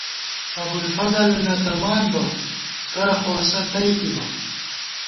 ابُوالفضل نہ تمان بہ ، کرہ خو اسہ تئیتِبہ